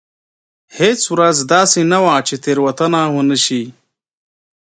هېڅ ورځ داسې نه وه چې تېروتنه ونه شي.